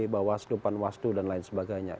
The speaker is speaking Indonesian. bawas dupan waslu dan lain sebagainya